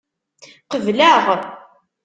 Qebleɣ.